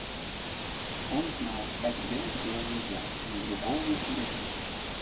Он знал – так делать было нельзя, но другого выхода не было.